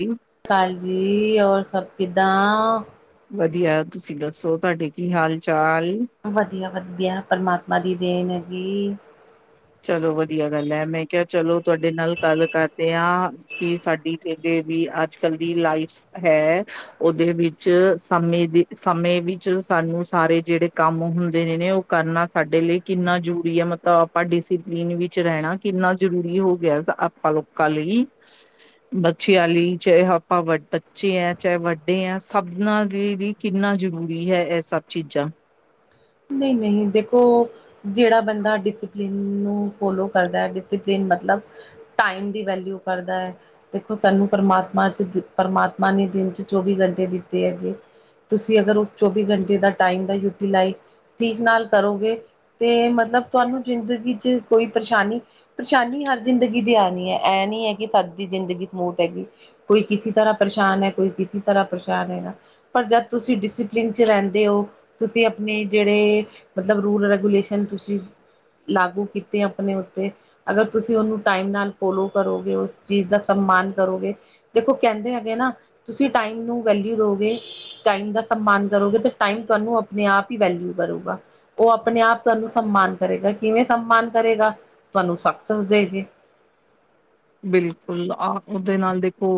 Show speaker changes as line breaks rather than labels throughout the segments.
ਤਿੰਗ।
ਹਾਂਜੀ, ਔਰ ਸਭ ਕਿਦਾਂ?
ਵਧੀਆ, ਤੁਸੀਂ ਦੱਸੋ, ਤੁਆਡੇ ਕੀ ਹਾਲ ਚਾਲ?
ਵਧੀਆ ਵਧੀਆ, ਪਰਮਾਤਮਾ ਦੀ ਦੇਣ ਹੈਗੀ।
ਚਲੋ, ਵਧੀਆ ਗੱਲ ਐ, ਮੈਂ ਕਿਆ ਚਲੋ ਤੁਆਡੇ ਨਾਲ ਗੱਲ ਕਰ ਕਰਦੇ ਆਂ ਕੀ ਸਾਡੀ ਜੇਦੇ ਵੀ ਅੱਜ ਕੱਲ ਦੀ ਲਾਈਫ ਹੈ। ਓਦੇ ਵਿੱਚ ਸਮੇਂ ਦੀ-ਸਮੇਂ ਵਿੱਚ ਸਾਨੂੰ ਸਾਰੇ ਜੇੜੇ ਕੰਮ ਹੁੰਦੇ ਨੇ ਨੇ ਓ ਕਰਨਾ ਸਾਡੇ ਲਈ ਕਿੰਨਾ ਜ਼ਰੂਰੀ ਆ ਮਤਬ ਪਾ ਡਿਸਿਪਲੀਨ ਵਿੱਚ ਰੈਣਾ ਕਿੰਨਾ ਜਰੂਰੀ ਹੋ ਗਿਆ ਆਪਾਂ ਲੋਕਾਂ ਲਈ। ਬੱਚਿਆਂ ਲਈ ਚਾਏ ਆਪਾਂ, ਵ ਬੱਚੇ ਆ, ਚਾਏ ਵੱਡੇ ਆ ਸਭਨਾਂ ਦੇ ਵੀ ਕਿੰਨਾ ਜ਼ਰੂਰੀ ਐ ਐਹ ਸਭ ਚੀਜ਼ਾਂ।
ਨਈ ਨਈ, ਦੇਖੋ। ਜੇੜਾ ਬੰਦਾ ਡਿਸਿਪਲਿਨ ਨੂੰ ਫੋਲੋ ਕਰਦਾ ਐ, ਡਿਸਪਲਿਨ ਮਤਲਬ ਟਾਈਮ ਦੀ ਵੈਲਿਊ ਕਰਦਾ। ਦੇਖੋ ਸਾਨੂੰ ਪਰਮਾਤਮਾ 'ਚ ਪਰਮਾਤਮਾ ਨੇ ਦਿਨ 'ਚ ਚੌਵੀ ਘੰਟੇ ਦਿੱਤੇ ਹੈਗੇ। ਤੁਸੀਂ ਅਗਰ, ਉਸ ਚੌਵੀ ਘੰਟੇ ਦਾ ਟਾਈਮ ਦਾ ਯੂਟੀਲਾਈਜ਼ ਠੀਕ ਨਾਲ ਕਰੋਗੇ। ਤੇ ਮਤਲਬ ਤੁਆਨੂੰ ਜ਼ਿੰਦਗੀ 'ਚ ਕੋਈ ਪਰਸ਼ਾਨੀ ਪਰੇਸ਼ਾਨੀ ਹਰ ਜ਼ਿੰਦਗੀ ਦੀ ਆਣੀ ਐ, ਐ ਨੀ ਹੈ ਕੀ ਸਭ ਦੀ ਜ਼ਿੰਦਗੀ ਸਮੂਥ ਹੈਗੀ। ਕੋਈ ਕਿਸੀ ਤਰ੍ਹਾਂ ਪਰੇਸ਼ਾਨ ਐ, ਕੋਈ ਕਿਸੇ ਤਰ੍ਹਾਂ ਪਰੇਸ਼ਾਨ ਹੈਗਾ। ਪਰ ਜਦ ਤੁਸੀ ਡਿਸਪਲਿਨ ਚ ਰੈਂਦੇ ੳ, ਤੁਸੀ ਅਪਨੇ ਜੇੜੇ ਮਤਲਬ ਰੂਲ, ਰੈਗੂਲੇਸ਼ਨ ਤੁਸੀ ਲਾਗੂ ਕੀਤੇ ਅਪਨੇ ਉਤੇ ਅਗਰ ਤੁਸੀ ੳਨੂੰ ਟਾਈਮ ਨਾਲ ਫੋਲੋ ਕਰੋਗੇ, ੳਸ ਚੀਜ ਦਾ ਸੰਮਾਨ ਕਰੋਗੇ ਦੇਖੋ ਕੈਂਦੇ ਹੈਗੇ ਨਾ, ਤੁਸੀ ਟਾਈਮ ਨੂੰ ਵੈਲਯੂ ਦੋਗੇ ਟਾਈਮ ਦਾ ਸੰਮਾਨ ਕਰੋਗੇ ਤੇ ਟਾਈਮ ਤਾਨੂੰ ਅਪਨੇ ਆਪ ਵੈਲਯੂ ਕਰੂਗਾ, ੳਹ ਅਪਨੇ ਆਪ ਤਾਨੂੰ ਸੰਮਾਨ ਕਰੇਗਾ, ਕਿਵੇਂ ਸੰਮਾਨ ਕਰੇਗਾ, ਤਾਨੂੰ ਸਕਸੈਸ ਦੇ ਕੇ।
ਬਿਲਕੁਲ, ਆਪ ਦੇ ਨਾਲ ਦੇਖੋ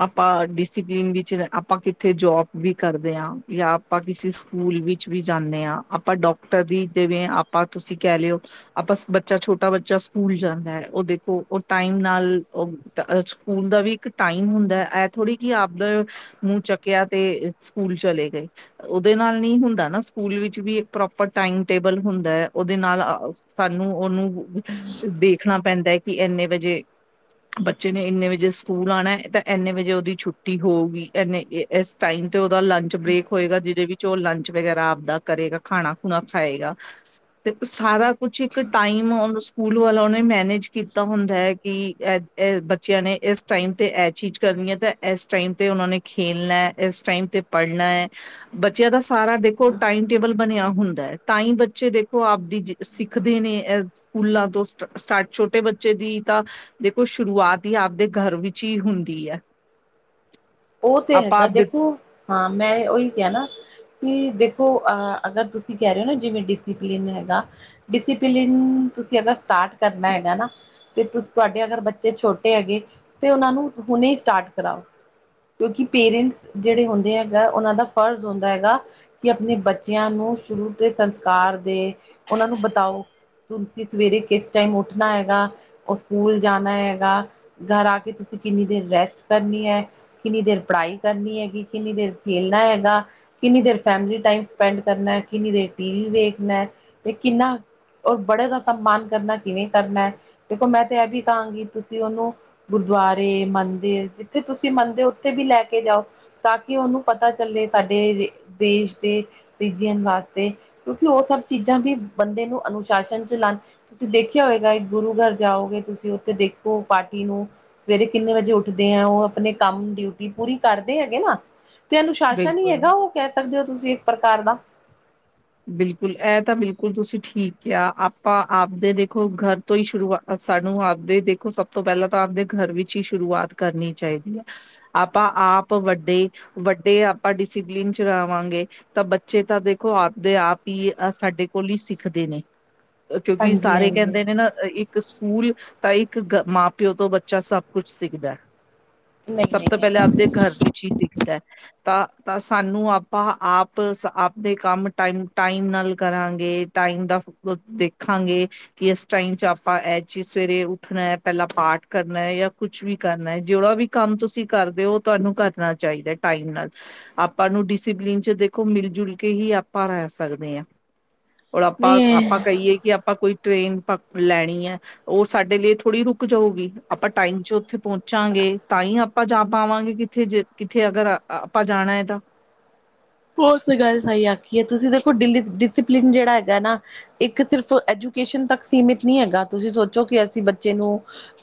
ਆਪਾਂ ਡਿਸਪਲਿਨ ਵਿੱਚ ਰ, ਆਪਾਂ ਕਿਥੇ ਜੋਬ ਵੀ ਕਰਦੇ ਹਾਂ ਯਾਂ ਆਪਾਂ ਕਿਸੇ ਸਕੂਲ ਵਿੱਚ ਵੀ ਜਾਨੇ ਆ, ਆਪਾਂ ਡਾਕਟਰ ਦੀ ਜਿਵੇਂ ਆਪਾਂ ਤੁਸੀ ਕੈ ਲੇਓ ਆਪਾਂ ਸ ਬੱਚਾ, ਛੋਟਾ ਬੱਚਾ ਸਕੂਲ ਜਾਂਦਾ ਐ ੳਦੇ ਉਹ ਓ ਟਾਈਮ ਨਾਲ ਓ ਦ ਅ ਸਕੂਲ ਦਾ ਵੀ ਇੱਕ ਟਾਈਮ ਹੁੰਦਾ, ਏਹ ਥੋੜੀ ਕਿ ਆਪਦਾ ਮੂਹ ਚੱਕਆ ਤੇ ਸਕੂਲ ਚਲੇ ਗਏ। ੳਦੇ ਨਾਲ ਨੀ ਹੁੰਦਾ ਨਾ, ਸਕੂਲ ਵਿੱਚ ਵੀ ਇੱਕ ਪ੍ਰੋਪਰ ਟਾਈਮ ਟੇਬਲ ਹੁੰਦਾ ਐ, ੳਦੇ ਨਾਲ ਅ ਅ ਸਾਨੂੰ ੳਨੂੰ ਦੇਖਨਾ ਪੈਂਦਾ ਐ ਕਿ ਏਨੇ ਵਜੇ ਬੱਚੇ ਨੇ ਏਨੇ ਵਜੇ ਸਕੂਲ ਆਨਾ ਤੇ ਐਨੇ ਵਜੇ ੳਦੀ ਛੁੱਟੀ ਹੋਊਗੀ, ਐਨੇ ਏ ਅਸ ਟਾਇਮ ਤੇ ਓਦਾ ਲੰਚ ਬ੍ਰੇਕ ਹੋਏਗਾ, ਜਿਦੇ ਵਿਚ ਉਹ ਲੰਚ ਵਗੈਰਾ ਆਪਦਾ ਕਰੇਗਾ, ਖਾਣਾ ਖੂਣਾ ਖਾਏਗਾ। ਤੇ ਸਾਰਾ ਕੁਛ ਇੱਕ ਟਾਈਮ ੳ ਸਕੂਲ ਵਾਲੋ ਨੇ ਮੈਨੇਜ ਕੀਤਾ ਤਾ ਹੁੰਦਾ ਹੈ ਕਿ, ਇਹ-ਇਹ ਬੱਚੇਆਂ ਨੇ ਇਸ ਟਾਈਮ ਤੇ ਏਹ ਚੀਜ ਕਰਨੀ ਐ ਤੇ ਇਸ ਟਾਈਮ ਤੇ ਉਹਨਾ ਨੇ ਖੇਲਣਾ ਐ, ਇਸ ਟਾਈਮ ਤੇ ਪੜ਼੍ਨਾ ਐ ਬੱਚੇਆਂ ਦਾ ਸਾਰਾ ਦੇਖੋ ਟਾਈਮ ਟੇਬਲ ਬਨੇਆ ਹੁੰਦਾ ਐ, ਤਾਂਈ ਬੱਚੇ ਦੇਖੋ ਆਪਦੀ ਜਿ ਸਿੱਖਦੇ ਨੇ ਏਹ ਸਕੂਲਾਂ ਤੋਂ ਸਟਾਰਟ ਛੋਟੇ ਬੱਚੇ ਬੱਚੇ ਦੀ ਤਾਂ ਦੇਖੋ ਸ਼ੁਰਆਤ ਈ ਆਪਦੇ ਘਰ ਵਿੱਚ ਹੀ ਹੁੰਦੀ ਐ।
ੳਹ ਤੇ ਹੈਗਾ
ਆਪਦੇ
ਦੇਖੋ, ਹਾਂ ਮੈਂ ੳਈ ਕੇਆ ਨਾ। ਨਈ ਦੇਖੋ ਅਹ ਅਗਰ ਤੁਸੀ ਕੈ ਰਏ ੳ ਨਾ, ਜਿਵੇਂ ਡਿਸਿਪਲਿਨ ਨਈ ਹੈਗਾ ਡਿਸੀਪਲਿਨ ਤੁਸੀ ਅਗਰ ਸਟਾਰਟ ਕਰਨਾ ਹੈਗਾ ਨਾ ਜੇ ਤੁਸ ਤੁਆਡੇ ਅਗਰ ਬੱਚੇ ਛੋਟੇ ਹੈਗੇ ਤੇ ੳਨਾਂ ਨੂੰ ਹੁਨੇ ਸਟਾਰਟ ਕਰਾਓ। ਪੇਰੈਂਟਸ ਜੇੜੇ ਹੁੰਦੇ ਹੈਗਾ ਉਨਾਂ ਦਾ ਫਰਜ ਹੁੰਦਾ ਹੈਗਾ ਕਿ ਅਪਨੇ ਬੱਚੇਆਂ ਨੂੰ ਸ਼ੁਰੂ ਤੇ ਸੰਸਕਾਰ ਦੇ, ੳਨਾਂ ਨੂੰ ਬਤਾਓ ਤੁਸੀ ਸਵੇਰੇ ਕਿਸ ਟਾਈਮ ਉਠਨਾ ਹੈਗਾ, ੳਹ ਸਕੂਲ ਜਾਨਾ ਹੈਗਾ ਘਰ ਆ ਕੇ ਤੁਸੀ ਕਿੰਨੀ ਦੇਰ ਰੈਸਟ ਕਰਨੀ ਐ ਕਿੰਨੀ ਦੇਰ ਪੜਾਈ ਕਰਨੀ ਹੈਗੀ, ਕਿੰਨੀ ਦੇਰ ਖੇਲਨਾ ਹੈਗਾ ਕਿੰਨੀ ਦੇਰ ਫੈਮਲੀ ਟਾਈਮ ਸਪੈਂਡ ਕਰਨਾ, ਕਿੰਨੀ ਦੇਰ ਟੀਵੀ ਵੇਖਨਾ ਤੇ ਕਿਨਾ ਔਰ ਬੜੋ ਦਾ ਸੰਮਾਨ ਕਰਨਾ ਕਿਵੇਂ ਕਰਨਾ ਐ, ਦੇਖੋ ਮੈਂ ਤਾਂ ਏ ਵੀ ਕਾਂਗੀ ਤੁਸੀ ੳਨੂੰ ਗੁਰਦੁਆਰੇ ਮੰਦਿਰ ਜਿੱਥੇ ਤੁਸੀ ਮੰਨਦੇ ੳ, ੳਥੇ ਵੀ ਲੈ ਕੇ ਜਾਓ। ਤਾਂਕੀ ੳਨੂੰ ਪਤਾ ਚੱਲੇ ਸਾਡੇ ਦੇਸ਼ ਦੇ ਪੀਜੀਐਮ ਵਾਸਤੇ ਕਿਉਂਕਿ ਉਹ ਸਭ ਚੀਜਾਂ ਵੀ ਬੰਦੇ ਨੂੰ ਅਨੁਸ਼ਾਸਨ ਚਲਾਨ ਤੁਸੀ ਦੇਖੇਆ ਹੋਏਗਾ, ਗੁਰੂ ਘਰ ਜਾਓਗੇ ਤੁਸੀ ੳਥੇ ਦੇਖੋ ਪਾਠੀ ਨੂੰ ਸਵੇਰੇ ਕਿੰਨੇ ਵਜੇ ਉਠਦੇ ਆ, ੳਹ ਅਪਨੇ ਕੰਮ ਡਿਊਟੀ ਪੂਰੀ ਕਰਦੇ ਹੈਗੇ ਨਾ ਤੇ ਅਨੁਸ਼ਾਸਨ ਹੀ
ਬਿਲਕੁਲ
ਹੈਗਾ ੳਹ ਕੈ ਸਕਦੇ ੳ ਤੁਸੀ ਇੱਕ ਪ੍ਰਕਾਰ ਦਾ
ਬਿਲਕੁਲ ਏ ਤਾਂ ਬਿਲਕੁਲ ਤੁਸੀ ਠੀਕ ਕੈਆ, ਆਪਾਂ ਆਪਦੇ ਦੇਖੋ ਘਰ ਤੋਂ ਹੀ ਸ਼ੁਰੂਆਤ ਸਾਨੂੰ ਆਪਦੇ ਦੇਖੋ ਸਭ ਤੋਂ ਪੈਲਾਂ ਤਾਂ ਆਪਦੇ ਘਰ ਵਿੱਚ ਈ ਸ਼ੁਰੂਆਤ ਕਰਨੀ ਚਾਈਦੀ ਐ। ਆਪਾਂ ਆਪ ਵੱਡੇ, ਵੱਡੇ ਆਪਾਂ ਡਿਸੀਪਲਿਨ ਚ ਰਵਾਂਗੇ ਤਾ ਬੱਚੇ ਤਾ ਦੇਖੋ ਆਪ ਦੇ ਆਪ ਹੀ ਆ ਸਾਡੇ ਕੋਲ ਹੀ ਸਿੱਖਦੇ ਨੇ ਕਿਉਂਕਿ
ਹਾਂਜੀ
ਸਾਰੇ
ਹਾਂਜੀ
ਕਹਿੰਦੇ ਨੇ ਨਾ ਇੱਕ ਇੱਕ ਸਕੂਲ ਤਾਂ ਇੱਕ ਮਾਂ ਪਿਓ ਤੋਂ ਬੱਚਾ ਸਭ ਕੁਛ ਸਿੱਖਦਾ
ਨਹੀਂ
ਸਭ ਤੋਂ
ਨਹੀਂ
ਪਹਿਲਾਂ ਆਪਦੇ
ਹੈਗਾ
ਘਰ ਵਿੱਚ ਹੀ ਸਿੱਖਦਾ ਤਾਂ ਤਾਂ ਸਾਨੂੰ ਆਪਾਂ ਆਪ ਆਪਦੇ ਕੰਮ ਟਾਈਮ, ਟਾਈਮ ਨਾਲ ਕਰਾਂਗੇ, ਟਾਈਮ ਦਾ ਦੇਖਾਂਗੇ ਕਿ ਇਸ ਟਾਈਮ ਚ ਆਪਾਂ ਇਹ ਚੀਜ਼ ਸਵੇਰੇ ਉੱਠਣਾ ਹੈ, ਪਹਿਲਾਂ ਪਾਠ ਕਰਨਾ ਐ ਯਾ ਕੁਛ ਵੀ ਕਰਨਾ ਹੈ ਜਿਹੜਾ ਵੀ ਕੰਮ ਤੁਸੀਂ ਕਰਦੇ ਹੋ ਤੁਹਾਨੂੰ ਕਰਨਾ ਚਾਹੀਦਾ ਟਾਈਮ ਨਾਲ ਆਪਾਂ ਨੂੰ ਡਿਸਿਪਲਿਨ ਚ ਦੇਖੋ ਮਿਲ ਜੁਲ ਕੇ ਹੀ ਆਪਾਂ ਰਹਿ ਸਕਦੇ ਹਾਂ ਹੁਨ ਆਪਾਂ
ਨਹੀਂ
ਆਪਾਂ ਕਹੀਏ ਕਿ ਆਪਾਂ ਕੋਈ ਟ੍ਰੇਨ ਪਕ ਲੈਣੀ ਐ ਉਹ ਸਾਡੇ ਲਈ ਥੋੜ੍ਹੀ ਰੁਕ ਜਾਊਗੀ, ਆਪਾਂ ਟਾਈਮ ਚ ਉੱਥੇ ਪਹੁੰਚਾਂਗੇ ਤਾਂ ਹੀ ਆਪਾਂ ਜਾ ਪਾਵਾਂਗੇ ਕਿ ਕਿੱਥੇ ਜੇ ਕਿੱਥੇ ਅਗਰ ਆਪਾਂ ਜਾਣਾ ਏ ਤਾਂ
ਉਹ ਤਾਂ ਗੱਲ ਸਹੀ ਆਖੀ ਐ, ਤੁਸੀਂ ਦੇਖੋ ਡਿਪਨ ਡਿਸਿਪਲਿਨ ਜਿਹੜਾ ਹੈਗਾ ਨਾ ਇੱਕ ਸਿਰਫ ਐਜੂਕੇਸ਼ਨ ਤੱਕ ਸੀਮਿਤ ਨਹੀਂ ਹੈਗਾ ਤੁਸੀਂ ਸੋਚੋ ਕਿ ਅਸੀਂ ਬੱਚੇ ਨੂੰ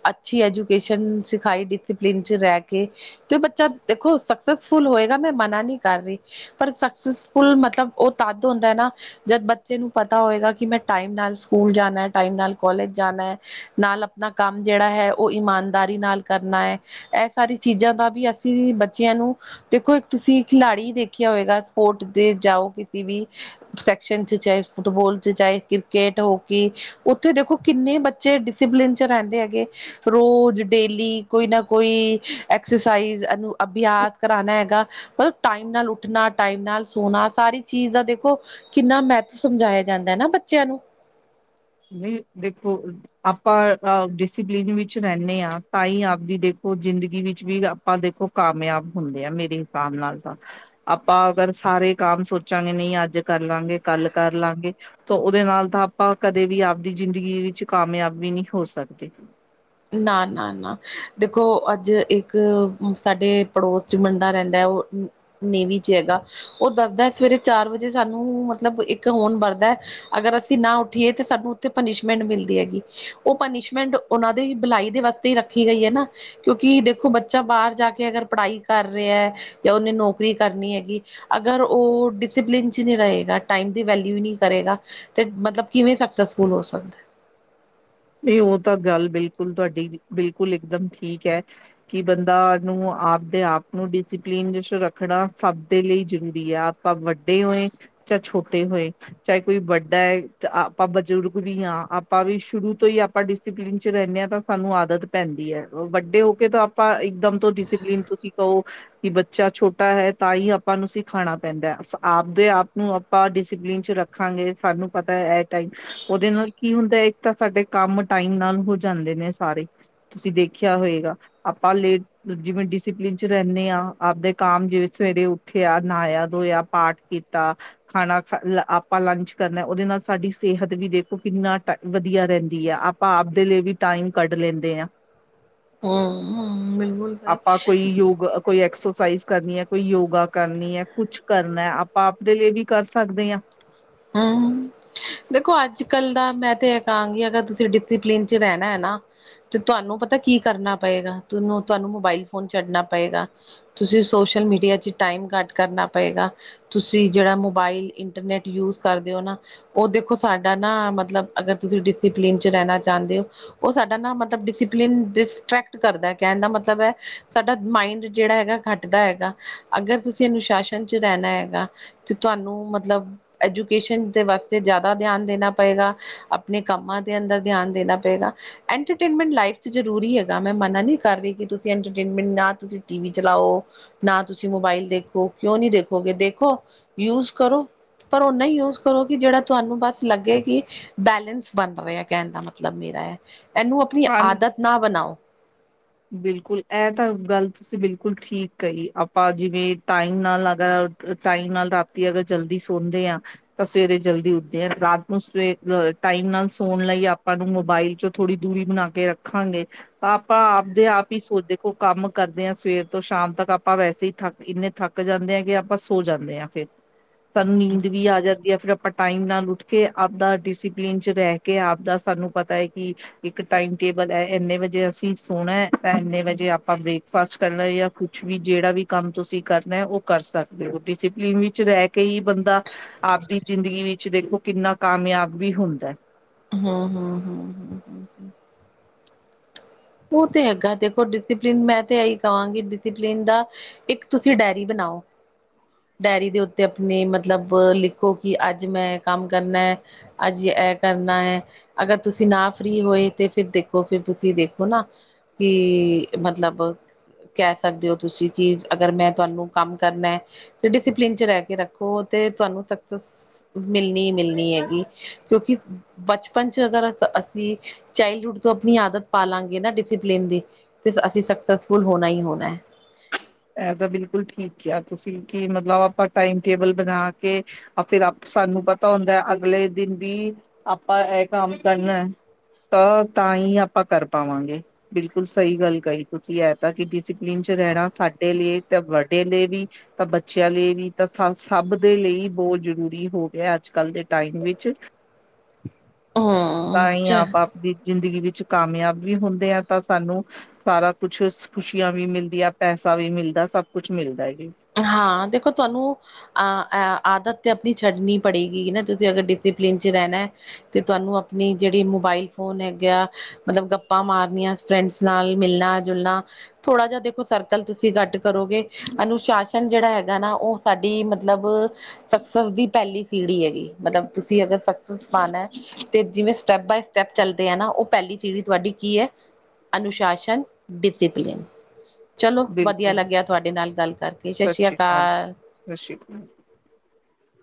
ਅੱਛੀ ਐਜੂਕੇਸ਼ਨ ਸਿਖਾਈ ਡਿਸਿਪਲਿਨ ਚ ਰਹਿ ਕੇ ਤੇ ਬੱਚਾ ਦੇਖੋ ਸਕਸੇਸਫੁਲ ਹੋਏਗਾ, ਮੈਂ ਮਨਾ ਨੀ ਕਰ ਰਹੀ ਪਰ ਸਕਸੈਸਫੁਲ ਮਤਲਬ ਉਹ ਤਦ ਹੁੰਦਾ ਨਾ ਜਦ ਬੱਚੇ ਨੂੰ ਪਤਾ ਹੋਏਗਾ, ਕਿ ਮੈਂ ਟਾਈਮ ਨਾਲ ਸਕੂਲ ਜਾਣਾ ਟਾਈਮ ਨਾਲ ਕੋਲਜ ਜਾਣਾ ਨਾਲ ਆਪਣਾ ਕੰਮ ਜਿਹੜਾ ਹੈ ਉਹ ਇਮਾਨਦਾਰੀ ਨਾਲ ਕਰਨਾ ਹੈ ਇਹ ਸਾਰੀ ਚੀਜ਼ਾਂ ਦਾ ਵੀ ਅਸੀਂ ਬੱਚਿਆਂ ਨੂੰ ਦੇਖੋ ਇੱਕ ਤੁਸੀਂ ਖਿਲਾੜੀ ਦੇਖਿਆ ਦੇਖਿਆ ਹੋਏਗਾ ਸਪੋਰਟ ਦੇ ਜਾਓ ਕਿਤੇ ਵੀ ਸੈਕਸ਼ਨ ਚ ਚਾਹੇ, ਫੁੱਟਬਾਲ ਚ ਚਾਹੇ, ਕ੍ਰਿਕੇਟ ਹੋਕੀ ਉੱਥੇ ਦੇਖੋ ਕਿੰਨੇ ਬੱਚੇ ਡਿਸਿਪਲਿਨ ਚ ਰਹਿੰਦੇ ਹੈਗੇ ਰੋਜ਼ ਡੇਲੀ ਕੋਈ ਨਾ ਕੋਈ ਐਕਸਰਸਾਈਜ਼ ਇਹਨੂੰ ਅਭਿਆਸ ਕਰਾਣਾ ਹੈਗਾ ਉਹ ਟਾਈਮ ਨਾਲ ਉੱਠ ਉੱਠਣਾ ਟਾਈਮ ਨਾਲ ਸੋਣਾ ਸਾਰੀ ਚੀਜ਼ ਦਾ ਦੇਖੋ ਕਿੰਨਾ ਮਹੱਤਵ ਸਮਝਾਇਆ ਜਾਂਦਾ ਹੈ ਨਾ ਬੱਚਿਆਂ ਨੂੰ।
ਨਹੀਂ ਦੇਖੋ ਆਪਾਂ ਡਿਸਪਲਿਨ ਵਿੱਚ ਰਹਿੰਦੇ ਹਾਂ ਤਾਂ ਹੀ ਆਪਦੀ ਦੇਖੋ ਜ਼ਿੰਦਗੀ ਵਿੱਚ ਵੀ ਆਪਾਂ ਦੇਖੋ ਕਾਮਯਾਬ ਹੁੰਦੇ ਆ ਮੇਰੇ ਹਿਸਾਬ ਨਾਲ ਤਾਂ ਆਪਾਂ ਅਗਰ ਸਾਰੇ ਕਾਮ ਸੋਚਾਂਗੇ ਨਹੀਂ ਅੱਜ ਕਰ ਲਾਂਗੇ ਕਲ ਕਰ ਲਾਂਗੇ ਤਾਂ ਉਹਦੇ ਨਾਲ ਤਾਂ ਆਪਾਂ ਕਦੇ ਵੀ ਆਪਦੀ ਜ਼ਿੰਦਗੀ ਵਿੱਚ ਕਾਮਯਾਬ ਨੀ ਹੋ ਸਕਦੇ
ਨਾ ਨਾ ਨਾ ਦੇਖੋ ਅੱਜ ਇੱਕ ਸਾਡੇ ਪੜੋਸ ਚ ਮੁੰਡਾ ਰਹਿੰਦਾ ਹੈ ਉਹ ਨੇਵੀ ਚ ਹੈਗਾ ਉਹ ਦੱਸਦਾ ਸਵੇਰੇ ਚਾਰ ਵਜੇ ਸਾਨੂੰ ਮਤਲਬ ਇੱਕ ਹੋਰਨ ਵਰਦਾ ਅਗਰ ਅਸੀਂ ਨਾ ਉੱਠੀਏ ਤਾਂ ਸਾਨੂੰ ਉੱਥੇ ਪਨੀਸ਼ਮੈਂਟ ਮਿਲਦੀ ਹੈਗੀ ਉਹ ਪਨੀਸ਼ਮੈਂਟ ਉਹਨਾਂ ਦੀ ਭਲਾਈ ਦੇ ਵਾਸਤੇ ਹੀ ਰੱਖੀ ਗਈ ਹੈ ਨਾ। ਕਿਉਂਕਿ ਦੇਖੋ ਬੱਚਾ ਬਾਹਰ ਜਾ ਕੇ ਅਗਰ ਪੜ੍ਹਾਈ ਕਰ ਰਿਹਾ ਜਾਂ ਉਹਨੇ ਨੌਕਰੀ ਕਰਨੀ ਹੈਗੀ ਅਗਰ ਉਹ ਡਿਸਿਪਲਿਨ ਚ ਨਹੀਂ ਰਹੇਗਾ ਟਾਈਮ ਦੀ ਵੈਲਿਊ ਨਹੀਂ ਕਰੇਗਾ ਤੇ ਮਤਲਬ ਕਿਵੇਂ ਸਕਸੈਸਫੁਲ ਹੋ ਸਕਦਾ।
ਨਹੀਂ ਉਹ ਤਾਂ ਗੱਲ ਬਿਲਕੁਲ ਤੁਹਾਡੀ ਬਿਲਕੁਲ ਇਕ ਦਮ ਠੀਕ ਹੈ। ਕਿ ਬੰਦਾ ਨੂੰ ਆਪਦੇ ਆਪ ਨੂੰ ਡਿਸਪਲਨ ਰੱਖਣਾ ਸਭ ਦੇ ਲਈ ਜ਼ਰੂਰੀ ਹੈ। ਆਪਾਂ ਵੱਡੇ ਹੋਏ ਚਾਹੇ ਛੋਟੇ ਹੋਏ ਚਾਹੇ ਕੋਈ ਵੱਡਾ ਹੈ ਆਪਾਂ ਬਜ਼ੁਰਗ ਵੀ ਹਾਂ ਆਪਾਂ ਵੀ ਸ਼ੁਰੂ ਤੋਂ ਹੀ ਆਪਾਂ ਡਿਸਪਲਿਨ ਚ ਰਹਿੰਦੇ ਹਾਂ ਤਾਂ ਸਾਨੂੰ ਆਦਤ ਪੈਂਦੀ ਹੈ ਵੱਡੇ ਹੋ ਕੇ ਤਾਂ ਆਪਾਂ ਇਕਦਮ ਤੋਂ ਡਿਸਪਲਿਨ ਤੋਂ ਤੁਸੀਂ ਕਹੋ ਕਿ ਬੱਚਾ ਛੋਟਾ ਹੈ ਤਾਂ ਹੀ ਆਪਾਂ ਨੂੰ ਸਿਖਾਣਾ ਪੈਂਦਾ ਆਪਦੇ ਆਪ ਨੂੰ ਆਪਾਂ ਡਿਸਪਲਿਨ ਚ ਰੱਖਾਂਗੇ, ਸਾਨੂੰ ਪਤਾ ਇਹ ਟਾਈਮ ਉਹਦੇ ਨਾਲ, ਕੀ ਹੁੰਦਾ ਇੱਕ ਤਾਂ ਸਾਡੇ ਕੰਮ ਟਾਈਮ ਨਾਲ ਹੋ ਜਾਂਦੇ ਨੇ ਸਾਰੇ ਤੁਸੀਂ ਦੇਖਿਆ ਹੋਏਗਾ ਆਪਾਂ ਲੇਟ ਜਿਵੇਂ ਡਿਸਿਪਲਿਨ ਚ ਰਹਿਣੇ ਹਾਂ, ਆਪਦੇ ਕੰਮ ਜਿਵੇਂ, ਸਵੇਰੇ ਉੱਠਿਆ ਨਾਇਆ ਧੋਇਆ ਪਾਠ ਕੀਤਾ। ਖਾਣਾ ਖਾ, ਆਪਾਂ ਲੰਚ ਕਰਨਾ, ਉਹਦੇ ਨਾਲ ਸਾਡੀ ਸਿਹਤ ਵੀ ਦੇਖੋ, ਕਿੰਨਾ ਵਧੀਆ ਰਹਿੰਦੀ ਦਿਆਂ ਆਪਾਂ -ਆਪਦੇ ਲਈ ਵੀ ਟਾਈਮ, ਕੱਢ ਲੈਂਦੇ ਆ
ਹਮ- ਹਮ ਬਿਲਕੁਲ ਸਹੀ।
ਆਪਾਂ ਕੋਈ ਯੋਗ ਕੋਈ ਐਕਸਰਸਾਈਜ਼ ਕਰਨੀ ਹੈ, ਕੋਈ ਯੋਗਾ ਕਰਨੀ ਹੈ, ਕੁਛ ਕਰਨਾ ਆਪਾਂ ਆਪਦੇ ਲਈ ਵੀ, ਕਰ ਸਕਦੇ ਹਾਂ
ਹਮ ਦੇਖੋ ਅੱਜ- ਕੱਲ ਦਾ ਮੈਂ ਤੇ ਇਹ ਕਹਾਂਗੀ, ਅਗਰ ਤੁਸੀਂ ਡਿਸਪਲਿਨ ਚ, ਰਹਿਣਾ ਹੈ ਨਾ ਤੇ ਤੁਹਾਨੂੰ, ਪਤਾ ਕੀ ਕਰਨਾ ਪਏਗਾ, ਤੁਹਾਨੂੰ- ਤੁਹਾਨੂੰ ਮੋਬਾਇਲ ਫੋਨ, ਛੱਡਨਾ ਪਏਗਾ ਤੁਸੀਂ ਸੋਸ਼ਲ ਮੀਡੀਆ ਚ, ਟਾਈਮ ਘੱਟ ਕਰਨਾ ਪਏਗਾ ਤੁਸੀਂ ਜਿਹੜਾ, ਮੋਬਾਇਲ ਇੰਟਰਨੈਟ ਯੂਜ ਕਰਦੇ ਹੋ ਨਾ ਉਹ ਦੇਖੋ ਸਾਡਾ ਨਾ, ਮਤਲਬ ਅਗਰ ਤੁਸੀਂ ਡਿਸਿਪਲਿਨ ਚ, ਰਹਿਣਾ ਚਾਹੁੰਦੇ ਹੋ ਉਹ ਸਾਡਾ ਨਾ ਮਤਲਬ, ਡਿਸਪਲਿਨ ਡਿਸਟਰੈਕਟ ਕਰਦਾ, ਕਹਿਣ ਦਾ ਮਤਲਬ ਹੈ ਸਾਡਾ ਮਾਈੰਡ ਜਿਹੜਾ ਹੈਗਾ ਘਟਦਾ ਹੈਗਾ, ਅਗਰ ਤੁਸੀਂ ਅਨੁਸ਼ਾਸਨ, ਚ ਰਹਿਣਾ ਹੈਗਾ ਤੇ ਤੁਹਾਨੂੰ ਮਤਲਬ ਐਜੂਕੇਸ਼ਨ ਦੇ ਵਾਸਤੇ, ਜ਼ਿਆਦਾ ਧਿਆਨ ਦੇਣਾ ਪਏਗਾ ਆਪਣੇ ਕੰਮਾਂ ਦੇ ਅੰਦਰ, ਧਿਆਨ ਦੇਣਾ ਪਏਗਾ ਐੰਟਰਟੇਨਮੈਂਟ ਲਾਈਫ ਚ ਜ਼ਰੂਰੀ ਹੈਗਾ, ਮੈਂ ਮਨਾ ਨਹੀਂ ਕਰ ਰਹੀ ਕਿ ਤੁਸੀਂ ਇੰਟਰਟੇਨਮੈਂਟ ਨਾ, ਤੁਸੀਂ ਟੀ ਵੀ ਚਲਾਓ ਨਾ ਤੁਸੀਂ ਮੋਬਾਈਲ ਦੇਖੋ, ਕਿਉਂ ਨਹੀਂ ਦੇਖੋਗੇ ਦੇਖੋ, ਯੂਜ ਕਰੋ ਪਰ ਓਨਾ ਹੀ ਯੂਜ ਕਰੋ ਕਿ, ਜਿਹੜਾ ਤੁਹਾਨੂੰ ਬਸ ਲੱਗੇ ਕਿ, ਬੈਲੇਂਸ ਬਣ ਰਹਾ ਆ ਕਹਿਣ ਦਾ, ਮਤਲਬ ਮੇਰਾ ਐ ਇਹਨੂੰ, ਆਪਣੀ
ਖਾਣ
ਆਦਤ ਨਾ ਬਣਾਓ?
ਬਿਲਕੁਲ, ਇਹ ਤਾਂ ਗੱਲ ਤੁਸੀਂ ਬਿਲਕੁਲ ਠੀਕ ਕਹੀ ਆਪਾਂ ਜਿਵੇਂ, ਟਾਈਮ ਨਾਲ ਲੱਗਾ ਟਾਈਮ ਨਾਲ ਰਾਤੀ, ਅਗਰ ਜਲਦੀ ਸੌਦੇ ਆਾਂ ਤਾਂ ਸਵੇਰੇ ਜਲਦੀ ਉੱਠਦੇ ਆ, ਰਾਤ ਨੂੰ ਸਵੇਰ ਟਾਈਮ ਨਾਲ ਸੋਣ ਲਈ, ਆਪਾਂ ਨੂੰ ਮੋਬਾਇਲ ਚ ਥੋੜ੍ਹੀ ਦੂਰੀ ਬਣਾ ਕੇ ਰੱਖਾਂਗੇ, ਆਪਾਂ ਆਪ ਆਪ ਹੀ ਸੋਚ, ਦੇਖੋ ਕੰਮ ਕਰਦੇ ਹਾਂ ਸਵੇਰ ਤੋਂ ਸ਼ਾਮ ਤੱਕ, ਆਪਾਂ ਵੈਸੇ ਹੀ ਥੱਕ ਇੰਨੇ ਥੱਕ ਥੱਕ ਜਾਂਦੇ ਆ ਕਿ, ਆਪਾਂ ਸੋ ਜਾਂਦੇ ਹਾਂ ਫਿਰ ਸਾਨੂੰ ਨੀਂਦ ਵੀ ਆ ਜਾਂਦੀ ਹੈ, ਫਿਰ ਆਪਾਂ ਟਾਈਮ ਨਾਲ ਉੱਠ ਕੇ, ਆਪਦਾ ਡਿਸਪਲਿਨ ਚ ਰਹਿ ਕੇ ਕਿ, ਆਪ ਦਾ ਸਾਨੂੰ ਪਤਾ ਹੈ ਕਿ, ਇੱਕ ਟਾਈਮ ਟੇਬਲ ਹੈ ਇੰਨੇ, ਵਜੇ ਅਸੀਂ ਸੋਣਾ ਤਾਂ ਇੰਨੇ ਵਜੇ ਆਪਾਂ ਬ੍ਰੇਕਫਾਸਟ ਕਰਨਾ, ਜਾਂ ਕੁਛ ਵੀ ਜਿਹੜਾ ਵੀ ਕੰਮ, ਤੁਸੀਂ ਕਰਨਾ ਉਹ ਕਰ ਸਕਦੇ ਹੋ, ਡਿਸਪਲਿਨ ਵਿੱਚ ਰਹਿ ਕੇ, ਹੀ ਬੰਦਾ ਆਪਦੀ ਜ਼ਿੰਦਗੀ ਵਿੱਚ ਦੇਖੋ, ਕਿੰਨਾ ਕਾਮਯਾਬ ਵੀ ਹੁੰਦਾ
ਹਮ, ਹਮ, ਹਮ ਹਮ ਓ ਤੇ ਹੈਗਾ ਦੇਖੋ ਡਿਸੀਪਲਿਨ, ਮੈਂ ਤੇ ਏਹੀ ਕਵਾਂਗੀ ਡਿਸੀਪਲਿਨ ਦਾ ਇੱਕ ਤੁਸੀਂ, ਡੈਰੀ ਬਣਾਓ। ਡੈਅਰੀ ਦੇ ਉੱਤੇ ਆਪਨੇ ਮਤਲਬ ਲਿਖੋ ਕਿ, ਅੱਜ ਮੈਂ ਕੰਮ ਕਰਨਾ ਅੱਜ ਐ ਕਰਨਾ ਏ, ਅਗਰ ਤੁਸੀਂ ਨਾ ਫ੍ਰੀ ਹੋਏ ਤੇ, ਫਿਰ ਦੇਖੋ ਫਿਰ ਤੁਸੀਂ ਦੇਖੋ ਔ ਨਾ ਕਿ ਮਤਲਬ, ਕਹਿ ਸਕਦੇ ਓ ਤੁਸੀਂ ਕਿ, ਅਗਰ ਮੈਂ ਤੁਆਨੂੰ ਕੰਮ ਕਰਨਾ ਐ, ਤੇ ਡਿਸੀਪਲਿਨ ਚ ਰਹਿ ਕੇ ਰੱਖੋ ਤੇ ਤੁਆਨੂੰ ਤ ਮਿਲਨੀ ਈ ਮਿਲਨੀ ਹੈਗੀ, ਕਿਉਂਕਿ, ਬਚਪਨ ਚ ਅਗਰ ਅ ਜੀ ਚਾਈਲਡ ਹੁੱਡ ਤੋਂ, ਅਪਨੀ ਆਦਤ ਪਾਾਲਾਂ ਗੇ ਨਾ ਡਿਸੀਪਲਿਨ ਦੀ ਤੇ ਅਸੀਂ ਸਕਸੈੱਸਫੁਲ ਹੋਨਾ ਈ ਹੋਨਾ
ਏਹ ਤਾਂ, ਬਿਲਕੁਲ ਠੀਕ ਕਿਆ ਤੁਸੀਂ ਕਿ, ਮਤਲਬ ਆਪਾਂ ਟਾਈਮ-ਟੇਬਲ ਬਣਾ ਕੇ ਫਿਰ ਆਪ ਸਾਨੂੰ ਪਤਾ ਹੁੰਦਾ, ਅਗਲੇ ਦਿਨ ਵੀ, ਆਪਾਂ ਏਹ ਕੰਮ ਕਰਨਾ ਐ ਤ ਤਾਂਈ ਆਪਾਂ ਕਰ ਪਾਵਾਂਗੇ, ਬਿਲਕੁਲ ਸਈ ਗੱਲ ਕਈ ਤੁਸੀਂ ਏ ਤਾਂ ਕਿਓਂਕਿ ਅਸੀਂ ਟੀਨ ਚ ਰੈਨਾ ਸਾਡੇ ਲਈ ਤੇ ਵਾਡੇ ਲਈ ਵੀ ਤਾਂ ਬੱਚੇਆਂ ਲਈ ਵੀ ਤਾਂ ਸ ਸਬ ਦੇ ਲਈ ਬੋ ਜ਼ਰੂਰੀ ਹੋ ਗੇਆ ਅੱਜ-ਕੱਲ ਦੇ ਟਾਈਮ ਵਿੱਚ।
ਹਮ
ਤਾਂਈ
ਚ
ਆਪਾਂ ਦੀ ਜ਼ਿੰਦਗੀ ਵਿੱਚ ਕਾਮਯਾਬ ਵੀ ਹੁੰਦੇ ਆ ਤਾਂ ਸਾਨੂੰ ਸਾਰਾ ਕੁਛ ਖੁਸ਼ੀਆਂ ਵੀ ਮਿਲਦੀਆਂ ਪੈਸਾ ਵੀ ਮਿਲਦਾ ਸਬ ਕੁਛ ਮਿਲਦਾ ਐ ਜੀ।
ਹਾਂ, ਦੇਖੋ ਤੁਆਨੂੰ ਆਂ ਆਂ ਆਦਤ ਤੇ ਅਪਨੀ ਛੱਡਨੀ ਪੜੇਗੀ ਨਾ ਤੁਸੀਂ ਅਗਰ ਡਿਸੀਪਲਿਨ ਚ ਰੈਨੈ। ਤੇ ਤੁਆਨੂੰ ਆਪਨੀ ਜੇੜੀ ਮੋਬਾਇਲ ਫੋਨ ਹੈਗੇਆ ਮਤਲਬ ਗੱਪਾਂ ਮਾਰਨੀਆਂ ਫਰੈਂਡਸ ਨਾਲ ਮਿਲਨਾ ਜੁਲਨਾ ਥੋੜਾ ਜਾ ਦੇਖੋ ਸਰਕਲ ਤੁਸੀਂ ਗੱਟ ਕਰੋਗੇ ਅਨੁਸ਼ਾ ਸ਼ਾਸਨ ਜੇੜਾ ਹੈਗਾ ਨਾ ਓ ਸਾਡੀ ਮਤਲਬ ਸਕਸੈੱਸ ਦੀ ਪੈਲੀ ਸੀੜੀ ਹੈਗੀ ਮਤਲਬ ਤੁਸੀਂ ਅਗਰ ਸਕਸੈੱਸ ਪਾਨੈ ਤੇ ਜਿਵੇਂ ਸਟੈੱਪ ਬਾਏ ਸਟੈੱਪ ਚੱਲਦੇ ਆ ਨਾ ਓ ਪੈਲੀ ਸੀੜੀ ਤੁਆਡੀ ਕੀ ਐ ਅਨੁਸ਼ਾਸਨ, ਡਿਸੀਪਲਿਨ ਚਲੋ ਵਦੀਆ ਲੱਗੇਆ ਤੁਆਡੇ ਨਾਲ ਗੱਲ ਕਰਕੇ। ਸਤਿ ਸ਼੍ਰੀ
ਸਸਰੀ ਕਾਰ ਜੀ,
ਅਕਾਲ।
ਸਸੀ